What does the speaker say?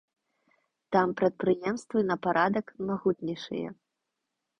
Там прадпрыемствы на парадак магутнейшыя.